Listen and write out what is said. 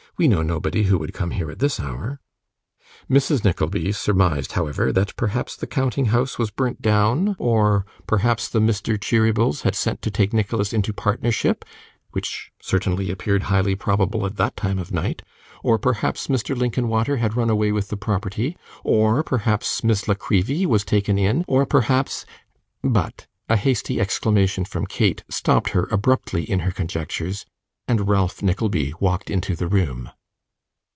'We know nobody who would come here at this hour.' Mrs. Nickleby surmised, however, that perhaps the counting house was burnt down, or perhaps 'the Mr. Cheerybles' had sent to take Nicholas into partnership (which certainly appeared highly probable at that time of night), or perhaps Mr. Linkinwater had run away with the property, or perhaps Miss La Creevy was taken in, or perhaps But a hasty exclamation from Kate stopped her abruptly in her conjectures, and Ralph Nickleby walked into the room.